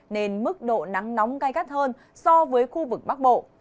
nên mức độ nắng nóng gai gắt hơn so với khu vực bắc bộ